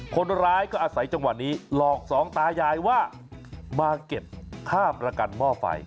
คนร้ายก็อาศัยจังหวะนี้หลอกสองตายายว่ามาเก็บค่าประกันหม้อไฟ